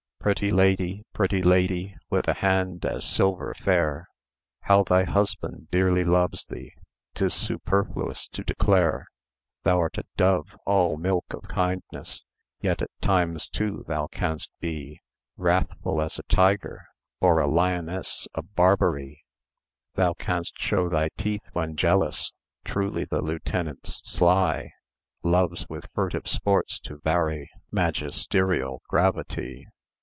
Pretty lady, pretty lady, With a hand as silver fair, How thy husband dearly loves thee 'Tis superfluous to declare. Thou'rt a dove, all milk of kindness; Yet at times too thou canst be Wrathful as a tiger, or a Lioness of Barbary. Thou canst show thy teeth when jealous; Truly the lieutenant's sly; Loves with furtive sports to vary Magisterial gravity.